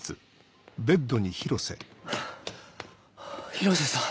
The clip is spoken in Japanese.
広瀬さん。